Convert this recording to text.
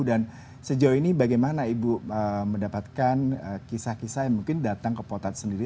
dan sejauh ini bagaimana ibu mendapatkan kisah kisah yang mungkin datang ke potats sendiri